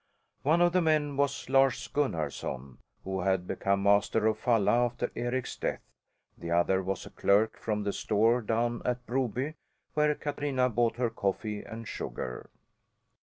One of the men was Lars Gunnarson, who had become master of Falla after Eric's death, the other was a clerk from the store down at Broby, where Katrina bought her coffee and sugar.